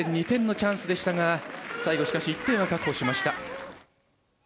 ２点のチャンスでしたが最後しかし１点を確保しました。